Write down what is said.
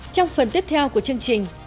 trong phần tiếp theo của chương trình